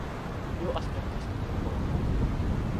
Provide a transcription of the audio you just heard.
Tio aspektas la morto.